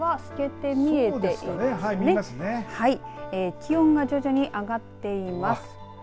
気温が徐々に上がっています。